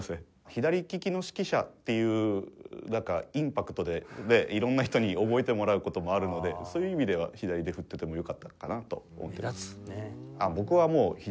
左ききの指揮者っていうインパクトで色んな人に覚えてもらう事もあるのでそういう意味では左で振っててもよかったのかなと思っています。